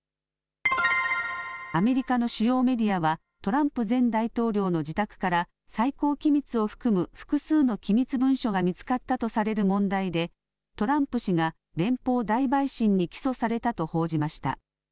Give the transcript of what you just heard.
アメリカの主要メディアはトランプ前大統領の自宅から最高機密を含む複数の機密文書が見つかったとされる問題でトランプ氏が連邦大陪審に起訴されたと報じました。